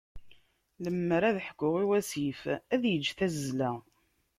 Lemmer ad ḥkuɣ i wasif, ad yeǧǧ tazzla.